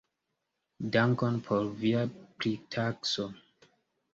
Dankon por via pritakso.